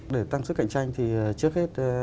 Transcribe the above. để tăng sức cạnh tranh thì trước hết